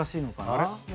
あれ？